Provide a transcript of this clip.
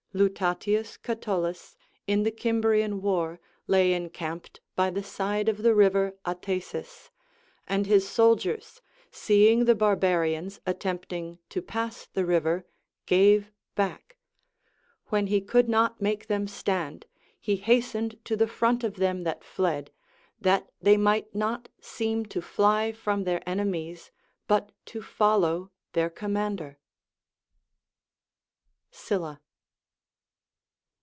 Lutatius Catulus in the Cimbrian war lay encamped by the side of the river Athesis, and his soldiers, seeing the barbarians attempting to pass the river, gave back ; when he could not make them stand, he hastened to the front of them that fled, that they might not seem to fly from their enemies but to follow their com mander. Sylla.